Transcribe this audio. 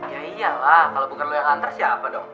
ya iyalah kalau bukan lo yang anter siapa dong